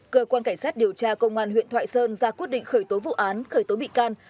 cơ quan cảnh sát điều tra công an huyện thoại sơn ra quyết định khởi tố vụ án khởi tố bị can